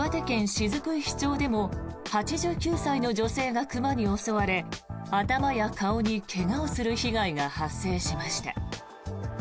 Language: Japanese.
雫石町でも８９歳の女性が熊に襲われ頭や顔に怪我をする被害が発生しました。